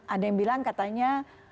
ada yang bilang katanya